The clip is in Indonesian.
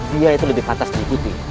dia itu lebih pantas diikuti